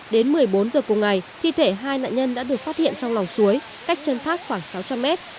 đến một mươi bốn h cuối ngày thi thể hai nạn nhân đã được phát hiện trong lòng suối cách chân thác khoảng sáu trăm linh m